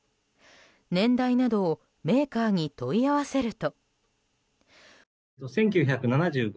年代などをメーカーに問い合わせると。